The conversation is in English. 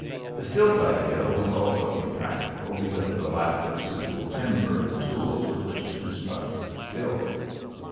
The stilt idea was also impracticable because of the lack of suitable timber and tools with which to construct the stilts.